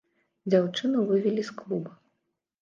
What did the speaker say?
Дзяўчыну вывелі з клуба.